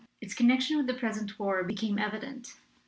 Its connection with the present war became evident.